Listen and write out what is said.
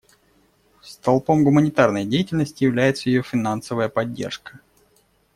Столпом гуманитарной деятельности является ее финансовая поддержка.